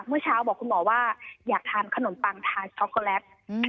เมื่อเช้าบอกคุณหมอว่าอยากทานขนมปังทานช็อกโกแลต